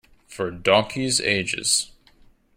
For donkeys' ages.